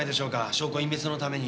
証拠隠滅のために。